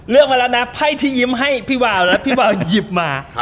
มาแล้วนะไพ่ที่ยิ้มให้พี่วาวนะพี่วาวหยิบมา